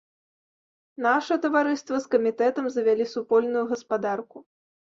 Наша таварыства з камітэтам завялі супольную гаспадарку.